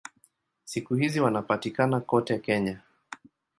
Siku hizi wanapatikana kote Kenya.